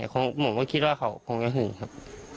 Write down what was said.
ผมก็คิดว่าเขาคงจะหึงครับ